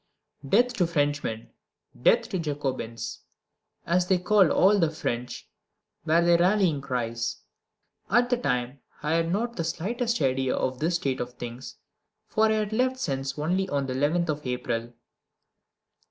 Death to Frenchmen! Death to Jacobins! as they called all the French, were their rallying cries. At the time I had not the slightest idea of this state of things, for I had left Sens only on the 11th of April.